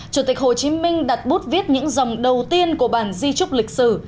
chủ tịch hồ chí minh đặt bút viết những dòng đầu tiên của bản di trúc lịch sử